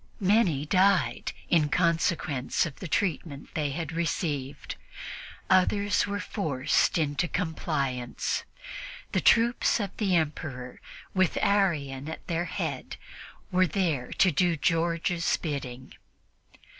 Many died in consequence of the treatment they had received; others were forced into compliance. The troops of the Emperor, with an Arian at their head, were there to do George's bidding.